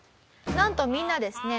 なんとみんなですね